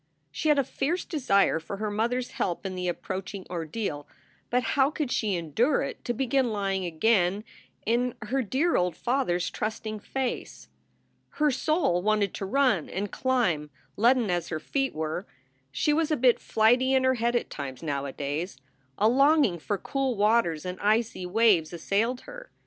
She had a fierce desire for her mother s help in the ap proaching ordeal, but how could she endure it to begin lying again in her dear old father s trusting face? Her soul wanted to run and climb, leaden as her feet were. She was a bit flighty in her head at times, nowadays. A longing for cool waters and icy waves assailed her.